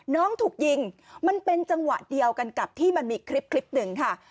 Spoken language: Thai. น้องถูกยิงมันเป็นจังหวะเดียวกันกับที่มันมีคลิปหนึ่งค่ะ